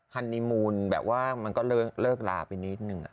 ฮันนิมูลแบบว่ามันก็เลิกลาไปนิดนึง